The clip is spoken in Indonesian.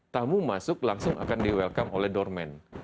tamu masuk langsung akan di welcome oleh dorman